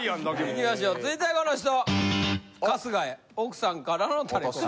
いきましょう続いてはこの人！